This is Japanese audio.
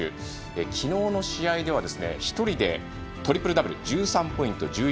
昨日の試合では１人でトリプルダブル１３ポイント１１